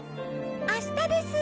明日です。